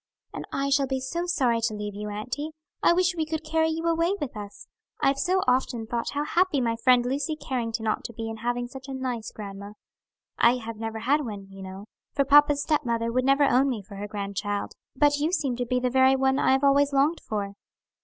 "And I shall be so sorry to leave you, auntie. I wish we could carry you away with us. I have so often thought how happy my friend Lucy Carrington ought to be in having such a nice grandma. I have never had one, you know; for papa's stepmother would never own me for her grandchild; but you seem to be the very one I have always longed for."